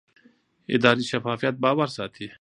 اداري شفافیت باور ساتي